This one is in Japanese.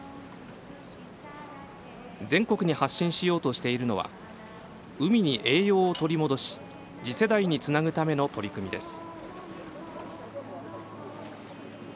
全国に発信しようとしているのは海に栄養を取り戻し次世代につなぐための取り組みです。